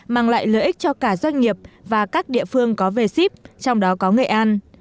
mang lại lợi ích cho cả doanh nghiệp và các địa phương có về sip trong đó có nghệ an